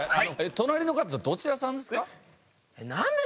隣の方どちらさんですか？